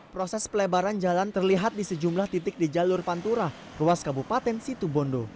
proses pelebaran jalan terlihat di sejumlah titik di jalur pantura ruas kabupaten situbondo